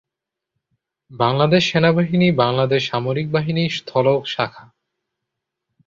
বাংলাদেশ সেনাবাহিনী বাংলাদেশ সামরিক বাহিনীর স্থল শাখা।